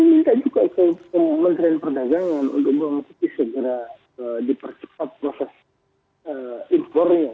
ini juga minta ke kementerian perdagangan untuk bawang putih segera dipercepat proses impornya